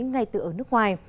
ngay từ ở nước ngoài